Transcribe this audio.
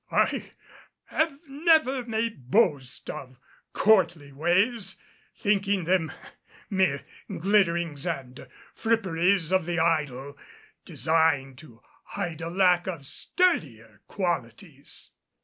I have never made boast of courtly ways, thinking them mere glitterings and fripperies of the idle, designed to hide a lack of sturdier qualities.